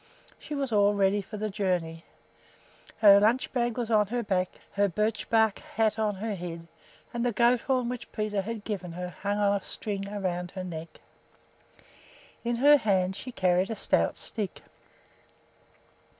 She was all ready for the journey. Her lunch bag was on her back, her birch bark hat on her head, and the goat horn which Peter had given her hung on a string around her neck. In her hand she carried a stout stick.